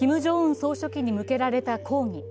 総書記に向けられた抗議。